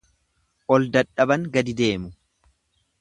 Ol dadhaban gadi deemu.